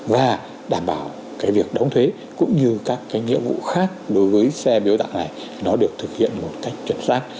và đảm bảo cái việc đóng thuế cũng như các nghĩa vụ khác đối với xe biếu tặng này nó được thực hiện một cách chuẩn xác